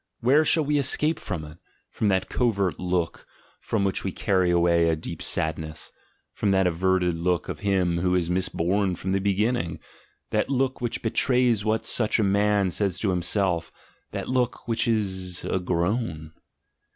Where shall we escape from it, from that covert look (from which we carry away a deep sadness), from that averted look of him who is misborn from the beginning, that look which betrays what such a man says to himself — that look which is a groan?